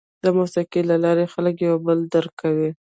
د موسیقۍ له لارې خلک یو بل درک کوي.